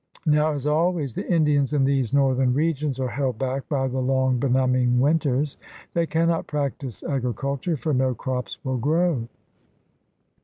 Now as always the Indians in these northern regions are held back by the long, benumbing winters. They cannot practice agri culture, for no crops will grow.